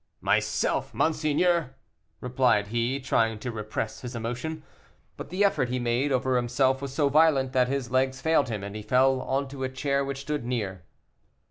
"Myself, monseigneur," replied he, trying to repress his emotion, but the effort he made over himself was so violent that his legs failed him, and he fell on to a chair which stood near.